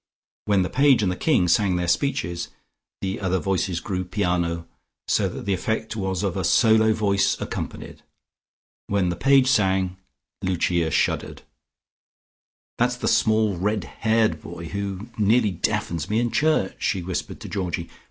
When the Page and the King sang their speeches, the other voices grew piano, so that the effect was of a solo voice accompanied. When the Page sang, Lucia shuddered. "That's the small red haired boy who nearly deafens me in church," she whispered to Georgie.